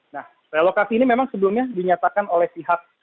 nah relokasi ini memang sebelumnya dinyatakan oleh pihak